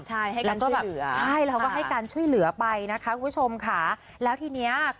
ใช่ให้กันก็แบบใช่แล้วก็ให้การช่วยเหลือไปนะคะคุณผู้ชมค่ะแล้วทีเนี้ย